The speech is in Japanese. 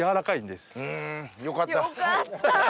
よかった！